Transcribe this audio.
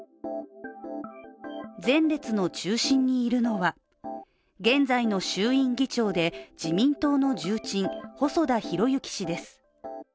前列の中心にいるのは、現在の衆院議長で自民党の重鎮・細田博之氏です。